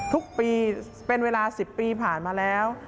ทุกปีเป็นเวลา๑๐ปีผ่านมาแล้ว